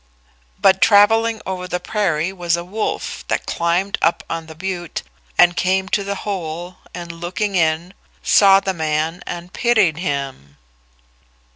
But travelling over the prairie was a wolf that climbed up on the butte and came to the hole and, looking in, saw the man and pitied him.